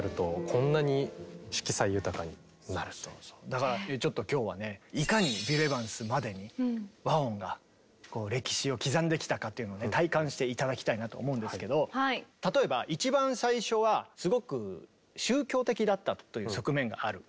だからちょっと今日はねいかにビル・エヴァンスまでに和音が歴史を刻んできたかというのをね体感して頂きたいなと思うんですけど例えば一番最初はすごく宗教的だったという側面がある。